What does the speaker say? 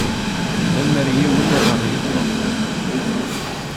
Lemer yiwen ad ɣ-yeṭṭef?